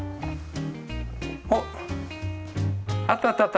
おっあったあったあった。